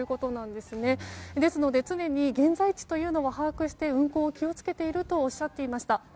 ですので常に現在地を把握して運航を気を付けているとおっしゃっていました。